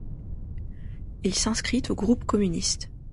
Il s'inscrit au groupe communiste.